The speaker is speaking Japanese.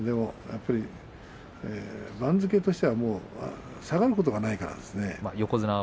番付としては下がることはないからですね。